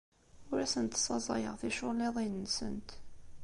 Ur asent-ssaẓayeɣ ticulliḍin-nsent.